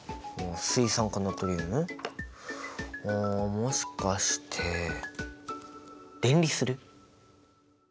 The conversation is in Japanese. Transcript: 水酸化ナトリウム？あもしかして電離する！？